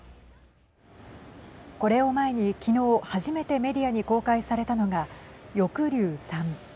これを前に昨日、初めてメディアに公開されたのが翼竜３。